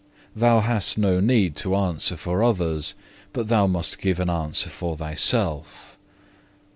Thou hast no need to answer for others, but thou must give an answer for thyself.